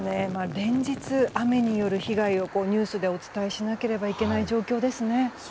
連日、雨による被害をニュースでお伝えしなければいけない状況ですね。